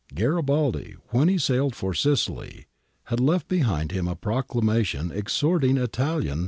[Garibaldi, when he sailed for Sicily, had left behind him a proclamation exhorting Italian ' Bertani, ii.